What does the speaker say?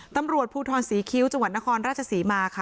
ตำรวจภูทรศรีคิ้วจังหวัดนครราชศรีมาค่ะ